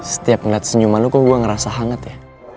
setiap ngeliat senyuman lo kok gue ngerasa hangat ya